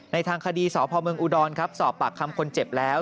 ในทางคดีสพอุดรสอบปากคำคนเจ็บแล้ว